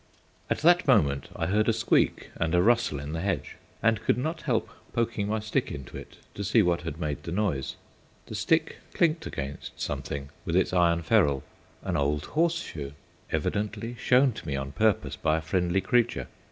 At that moment I heard a squeak and a rustle in the hedge, and could not help poking my stick into it to see what had made the noise. The stick clinked against something with its iron ferrule. An old horseshoe! evidently shown to me on purpose by a friendly creature.